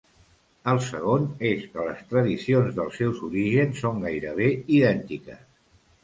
El segon és que les tradicions dels seus orígens són gairebé idèntiques.